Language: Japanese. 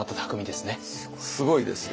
すごいですよ。